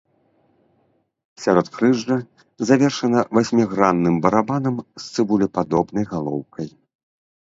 Сяродкрыжжа завершана васьмігранным барабанам з цыбулепадобнай галоўкай.